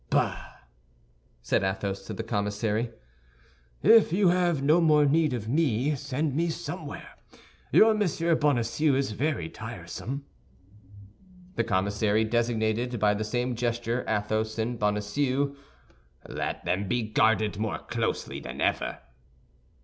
"Bah!" said Athos to the commissary, "if you have no more need of me, send me somewhere. Your Monsieur Bonacieux is very tiresome." The commissary designated by the same gesture Athos and Bonacieux, "Let them be guarded more closely than ever."